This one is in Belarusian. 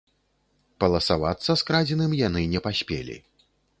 Паласавацца скрадзеным яны не паспелі.